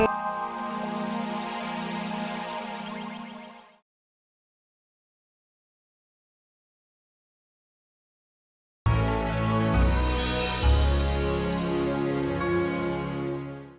terima kasih sudah nonton